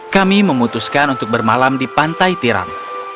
kami memutuskan untuk bermalam di pantai tiram